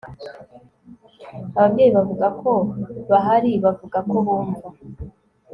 ababyeyi bavuga ko bahari, bavuga ko bumva